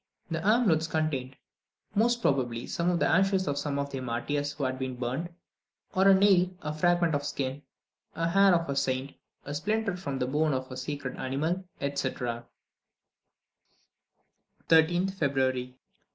The amulets contained, most probably, some of the ashes of one of their martyrs who had been burned, or a nail, a fragment of skin, a hair of a saint, a splinter from the bone of a sacred animal, etc. 13th February.